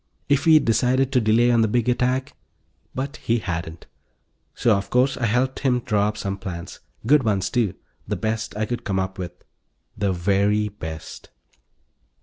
If he'd decided to delay on the big attack ... but he hadn't. So, of course, I helped him draw up some plans. Good ones, too; the best I could come up with. The very best.